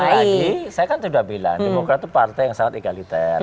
jadi saya kan sudah bilang demokrat itu partai yang sangat egaliter